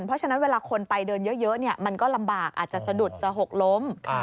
เพราะฉะนั้นเวลาคนไปเดินเยอะมันก็ลำบากอาจจะสะดุดจะหกล้ม